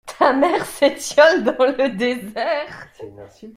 Ta mère s'étiole dans le désert.